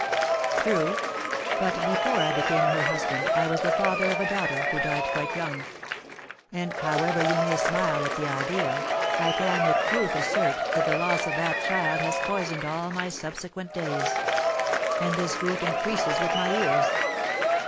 "True; but, before I became her husband, I was the father of a daughter, who died quite young. And, however you may smile at the idea, I can with truth assert that the loss of that child has poisoned all my subsequent days. And this grief increases with my years.